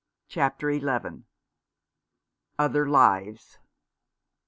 CHAPTER XL OTHER LIVES.